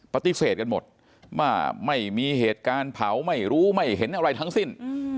ปฏิเสธกันหมดว่าไม่มีเหตุการณ์เผาไม่รู้ไม่เห็นอะไรทั้งสิ้น